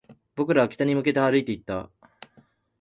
僕らは北に向けて歩いていった